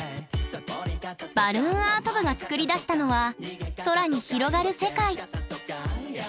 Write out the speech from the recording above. バルーンアート部が作り出したのは空に広がる世界。